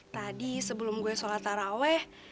tadi sebelum gue sholat taraweh